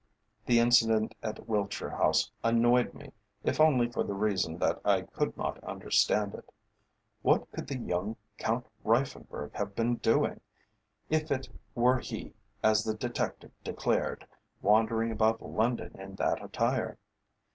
The incident at Wiltshire House annoyed me, if only for the reason that I could not understand it. What could the young Count Reiffenburg have been doing if it were he, as the detective declared wandering about London in that attire?